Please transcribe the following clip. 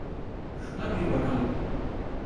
Şuna bir bakalım.